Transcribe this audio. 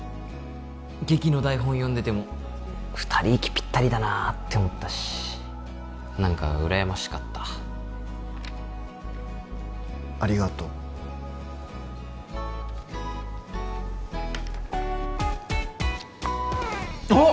劇の台本読んでても２人息ぴったりだなって思ったし何かうらやましかったありがとうあっ！